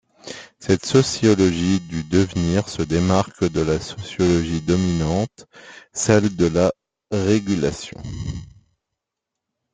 Cette sociologie du devenir se démarque de la sociologie dominante, celle de la régulation.